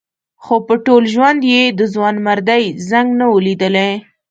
خو په ټول ژوند یې د ځوانمردۍ زنګ نه و لیدلی.